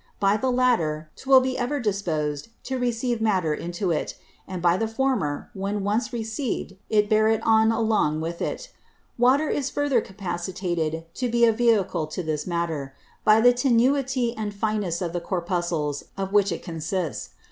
By the latter, 'twill be ever disposed to receive Matter into it; and by the former, when once received, to bear it on along with it. Water is further capacitated to be a Vehicle to this Matter, by the tenuity and fineness of the Corpuscles of which it consists.